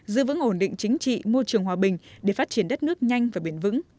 giữ vững ổn định chính trị môi trường hòa bình để phát triển đất nước nhanh và bền vững